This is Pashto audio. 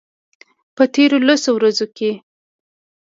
په تیرو لسو ورځو کې